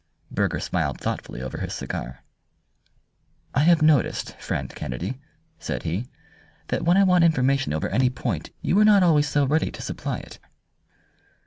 Burger smiled thoughtfully over his cigar. "I have noticed, friend Kennedy," said he, "that when I want information over any point you are not always so ready to supply it."